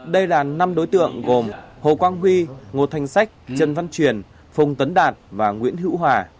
đây là năm đối tượng gồm hồ quang huy ngô thanh sách trần văn truyền phùng tấn đạt và nguyễn hữu hòa